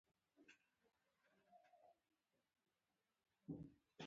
سرحدونه باید امن شي